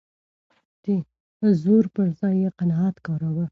د زور پر ځای يې قناعت کاراوه.